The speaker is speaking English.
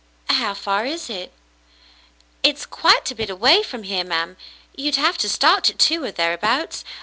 "How far is it?" "It's quite a bit away from here, ma'm ; you'd have to start at two or thereabouts.